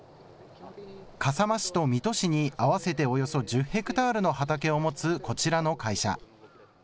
笠間市と水戸市に合わせておよそ１０ヘクタールの畑を持つこちらの会社。